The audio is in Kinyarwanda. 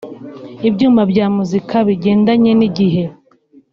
ibyuma bya muzika bigendanye n'igihe